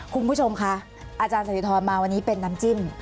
คุณผู้ชมคะอาจารย์สถิธรมาวันนี้เป็นน้ำจิ้ม